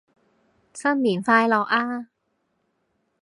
新年快樂啊